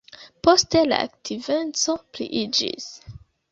Poste la aktiveco pliiĝis.